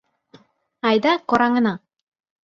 — Айда, кораҥына.